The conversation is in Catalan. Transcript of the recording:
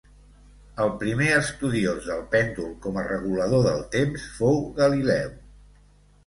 El primer estudiós del pèndol com a regulador del temps fou Galileu.